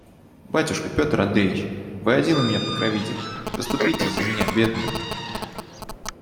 Батюшка Петр Андреич! вы один у меня покровитель; заступитесь за меня бедную.